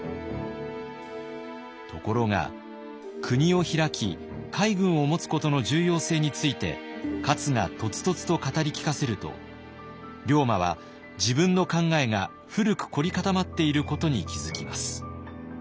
ところが国を開き海軍を持つことの重要性について勝がとつとつと語り聞かせると龍馬は自分の考えが古く凝り固まっていることに気付きます。